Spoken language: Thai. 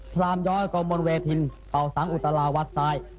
พรามย้อยกรมนเวทินเป่าสังอุตลาวัดซ้าย